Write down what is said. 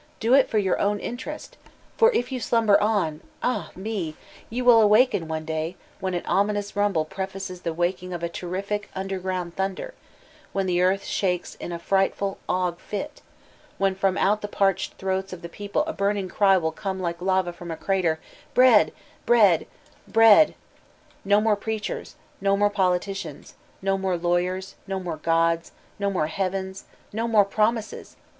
Do it for your own interest, for if you slumber on— ah ne I ye will awaken one day when an ominous rumbk pfe faces the waking of a terrific underground thunder, when the earth shakes in a frightful ague fit, when from oat the parched throats of the people a burning cry will oooie like lava from a crater, '"Bread, bread, bread T No more preachers, no more politicians, no more lawyers* no more gods, no more heavens, no more promises!